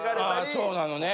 そうなのね。